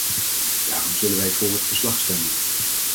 Daarom zullen wij voor het verslag stemmen.